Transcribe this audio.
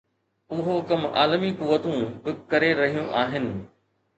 اهو ڪم عالمي قوتون به ڪري رهيون آهن.